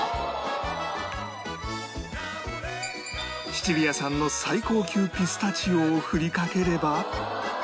シチリア産の最高級ピスタチオを振りかければ